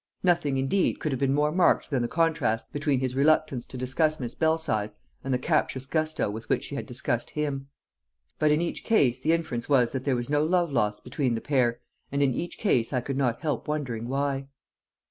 Nothing, indeed, could have been more marked than the contrast between his reluctance to discuss Miss Belsize and the captious gusto with which she had discussed him. But in each case the inference was that there was no love lost between the pair; and in each case I could not help wondering why.